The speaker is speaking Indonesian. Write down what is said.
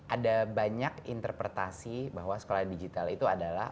ada banyak interpretasi bahwa sekolah digital itu adalah